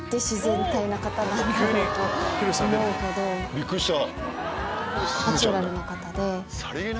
びっくりした！